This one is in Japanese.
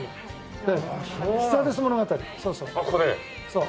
そう。